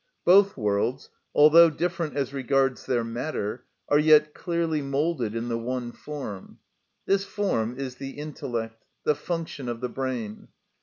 Both worlds, although different as regards their matter, are yet clearly moulded in the one form. This form is the intellect, the function of the brain.